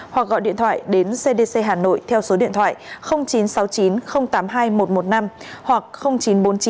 hoặc gọi điện thoại đến cdc hà nội theo số điện thoại chín trăm sáu mươi chín tám mươi hai một trăm một mươi năm hoặc chín trăm bốn mươi chín ba trăm chín mươi sáu một trăm một mươi năm